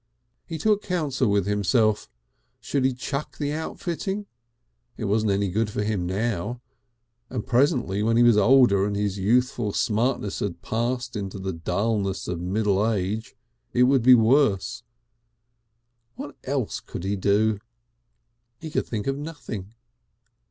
He took counsel with himself. Should he "chuck" the outfitting? It wasn't any good for him now, and presently when he was older and his youthful smartness had passed into the dulness of middle age it would be worse. What else could he do? He could think of nothing.